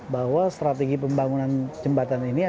bahwa strategi pembangunan jembatan ini